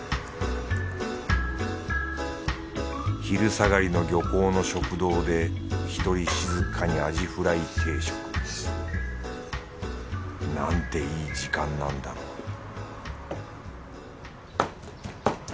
昼下がりの漁港の食堂で１人静かにアジフライ定食。なんていい時間なんだろう